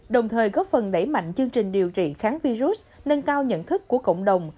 đồng thời góp phần đẩy mạnh chương trình điều trị kháng virus nâng cao nhận thức của cộng đồng